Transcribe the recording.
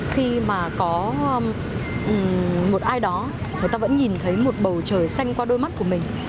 khi mà có một ai đó người ta vẫn nhìn thấy một bầu trời xanh qua đôi mắt của mình